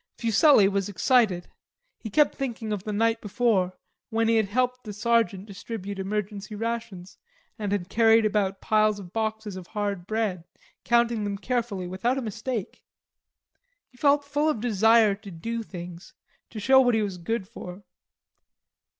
Fuselli was excited. He kept thinking of the night before, when he had helped the sergeant distribute emergency rations, and had carried about piles of boxes of hard bread, counting them carefully without a mistake. He felt full of desire to do things, to show what he was good for.